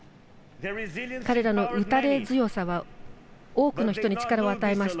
彼らの打たれ強さは多くの人に力を与えました。